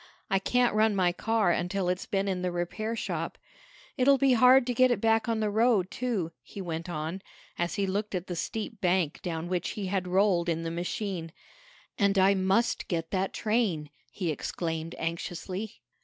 "I can't run my car until it's been in the repair shop. It'll be hard to get it back on the road, too," he went on, as he looked at the steep bank down which he had rolled in the machine. "And I must get that train!" he exclaimed anxiously.